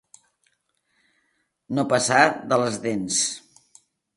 No passar de les dents.